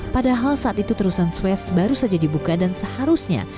padahal saat itu terusan swes baru saja dibuka dan seharusnya